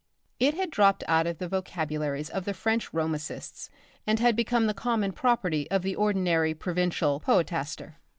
It had dropped out of the vocabularies of the French romancists and had become the common property of the ordinary provincial poetaster.